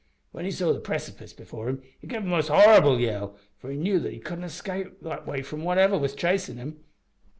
When he saw the precipice before him he gave a most horrible yell, for he knew that he couldn't escape that way from whatever was chasin' him.